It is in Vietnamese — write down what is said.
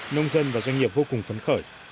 nông dân và doanh nghiệp vô cùng phấn khởi